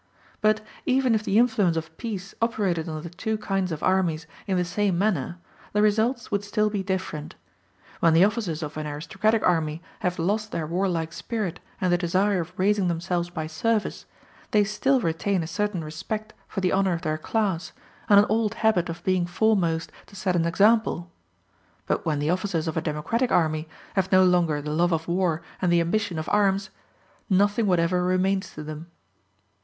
But even if the influence of peace operated on the two kinds of armies in the same manner, the results would still be different. When the officers of an aristocratic army have lost their warlike spirit and the desire of raising themselves by service, they still retain a certain respect for the honor of their class, and an old habit of being foremost to set an example. But when the officers of a democratic army have no longer the love of war and the ambition of arms, nothing whatever remains to them.